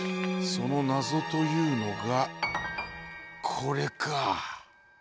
その「なぞ」というのがこれか。